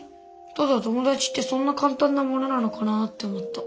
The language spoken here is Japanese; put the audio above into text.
ただともだちってそんなかんたんなものなのかなって思った。